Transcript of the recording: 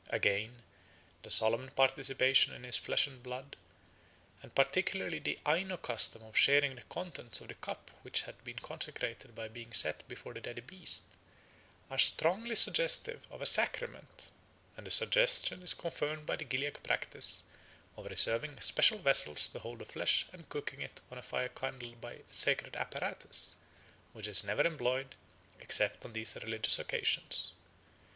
Again, the solemn participation in his flesh and blood, and particularly the Aino custom of sharing the contents of the cup which had been consecrated by being set before the dead beast, are strongly suggestive of a sacrament, and the suggestion is confirmed by the Gilyak practice of reserving special vessels to hold the flesh and cooking it on a fire kindled by a sacred apparatus which is never employed except on these religious occasions.